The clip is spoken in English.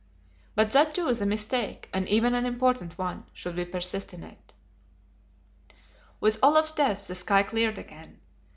But that too is a mistake, and even an important one, should we persist in it. With Olaf's death the sky cleared again.